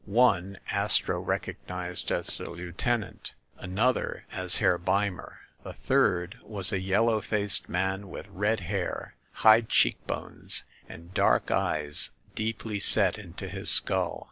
One, Astro recognized as the lientenant, another as Herr Beimer. The third was a yellow faced man with red hair, high cheek bones, and dark eyes deeply set into his skull.